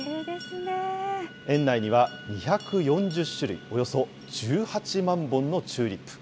園内には２４０種類、およそ１８万本のチューリップ。